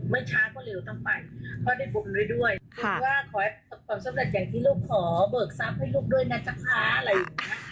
ขอให้ความสำเร็จอย่างที่ลูกขอเบิกซับให้ลูกด้วยนะจ๊ะคะอะไรอยู่นะ